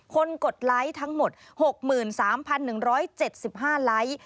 กดไลค์ทั้งหมด๖๓๑๗๕ไลค์